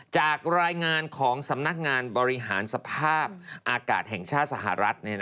จากรายงานของสำนักงานบริหารสภาพอากาศแห่งชาติสหรัฐ